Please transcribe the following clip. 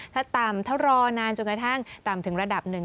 ถ้าต่ำถ้ารอนานจนกระทั่งต่ำถึงระดับหนึ่ง